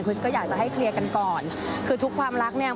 ก็อยากจะให้เคลียร์กันก่อนคือทุกความรักเนี่ย